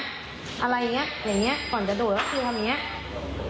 อะไรอย่างเงี้ยอย่างเงี้ยก่อนจะโดดเขาก็คือทำอย่างเงี้ยแต่เราไม่ได้สนใจอะไร